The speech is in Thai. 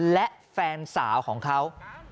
และแฟนสาวของเขา